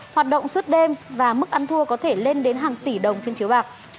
hoạt động suốt đêm và mức ăn thua có thể lên đến hàng tỷ đồng trên chiếu bạc